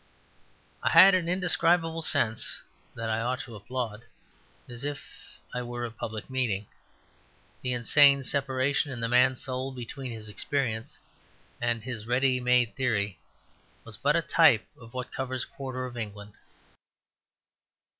I had an indescribable sense that I ought to applaud, as if I were a public meeting. The insane separation in the man's soul between his experience and his ready made theory was but a type of what covers a quarter of England.